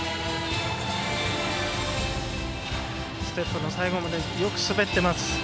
ステップの最後までよく滑ってます。